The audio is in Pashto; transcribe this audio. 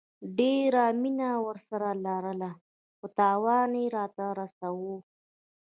ډيره مينه ورسره لرله خو تاوان يي راته رسوو